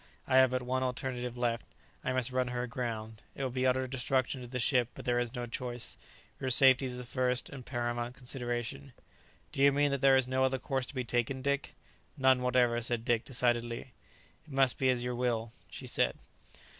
I have but one alternative left. I must run her aground. It will be utter destruction to the ship, but there is no choice. Your safety is the first and paramount consideration." "Do you mean that there is no other course to be taken, Dick?" "None whatever," said Dick decidedly. "It must be as you will," she said.